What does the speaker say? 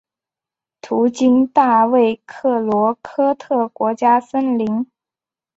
途经大卫克洛科特国家森林。